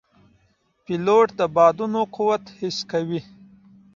پیلوټ د بادونو قوت حس کوي.